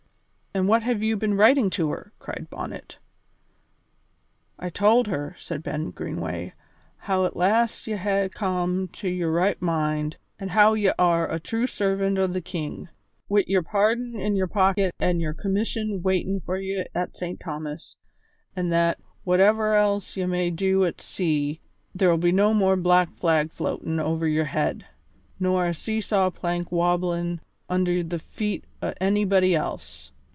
"And what have you been writing to her?" cried Bonnet. "I told her," said Ben Greenway, "how at last ye hae come to your right mind, an' how ye are a true servant o' the king, wi' your pardon in your pocket an' your commission waitin' for ye at St. Thomas, an' that, whatever else ye may do at sea, there'll be no more black flag floatin' over your head, nor a see saw plank wobblin' under the feet o' onybody else.